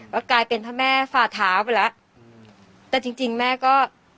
ก็กลายเป็นพระแม่ฝ่าเท้าไปแล้วแต่จริงจริงแม่ก็